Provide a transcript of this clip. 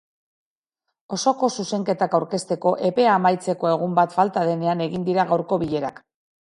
Osoko zuzenketak aurkezteko epea amaitzeko egun bat falta denean egin dira gaurko bilerak.